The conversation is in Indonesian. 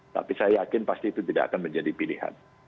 tapi saya yakin pasti itu tidak akan menjadi pilihan